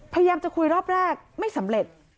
พยายามจะคุยรอบแรกไม่สำเร็จ